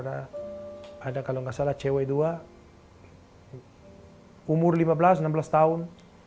ada kalau nggak salah cewek dua umur lima belas enam belas tahun